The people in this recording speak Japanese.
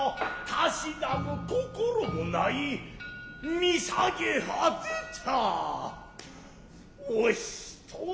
たしなむ心もない見下げ果てた。